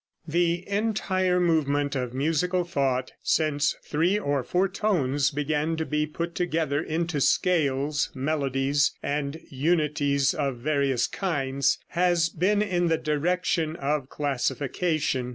The entire movement of musical thought since three or four tones began to be put together into scales, melodies and unities of various kinds, has been in the direction of classification.